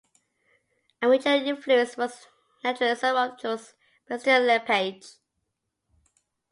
A major influence was the Naturalism of Jules Bastien-Lepage.